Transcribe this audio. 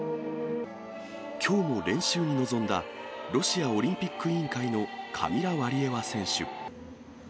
きょうも練習に臨んだ、ロシアオリンピック委員会のカミラ・ワリエワ選手。